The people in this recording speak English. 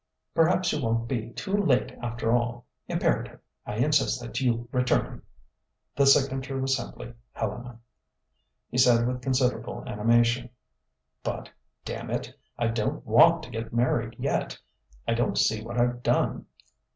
Perhaps you won't be too late after all. Imperative. I insist that you return._'" The signature was simply: "Helena." He said with considerable animation: "But damn it! I don't want to get married yet! I don't see what I've done...."